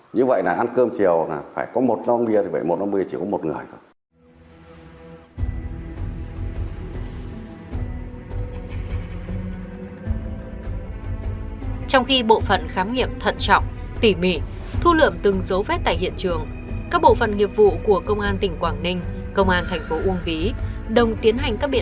như vậy là ăn cơm chiều là phải có một lon bia thì phải một lon bia chỉ có một người thôi